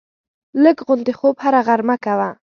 لږ غوندې خوب هره غرمه کومه